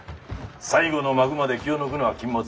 最後の幕まで気を抜くのは禁物。